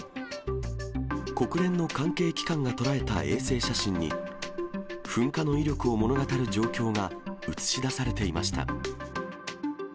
国連の関係機関が捉えた衛星写真に、噴火の威力を物語る状況が映し出されていました。